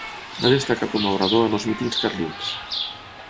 Va destacar com a orador en els mítings carlins.